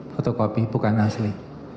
fotokopi bukan asli